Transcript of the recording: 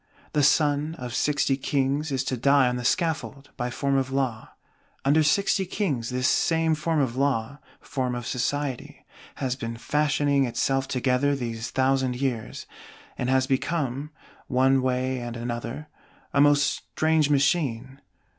The Son of Sixty Kings is to die on the Scaffold by form of Law. Under Sixty Kings this same form of Law, form of Society, has been fashioning itself together these thousand years; and has become, one way and other, a most strange Machine.